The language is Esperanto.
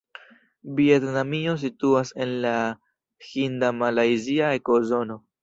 Vjetnamio situas en la hinda-malajzia ekozono.